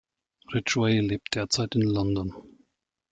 Ridgway lebt derzeit in London.